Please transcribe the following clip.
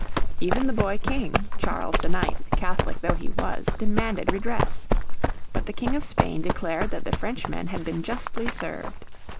Even the boy King, Charles IX, Catholic though he was, demanded redress. But the King of Spain declared that the Frenchmen had been justly served.